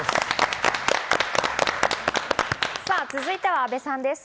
続いては阿部さんです。